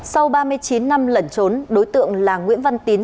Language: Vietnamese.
sau ba mươi chín năm lẩn trốn đối tượng là nguyễn văn tín